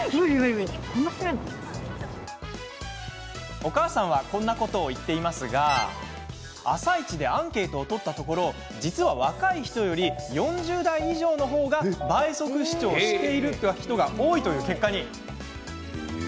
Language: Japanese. お母さんはこんなことを言っていますが「あさイチ」でアンケートを取ったところ実は若い人より４０代以上の方が倍速視聴している人が多いという結果に。